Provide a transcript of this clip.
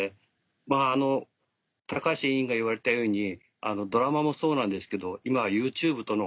高橋委員が言われたようにドラマもそうなんですけど今はＹｏｕＴｕｂｅとの。